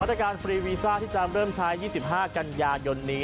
รายการฟรีวีซ่าที่จะเริ่มใช้๒๕กันยายนนี้